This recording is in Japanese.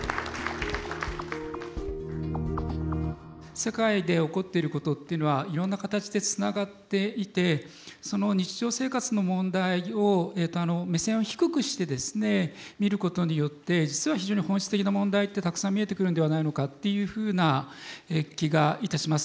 世界で起こっていることっていうのはいろんな形でつながっていてその日常生活の問題を目線を低くしてですね見ることによって実は非常に本質的な問題ってたくさん見えてくるのではないのかっていうふうな気がいたします。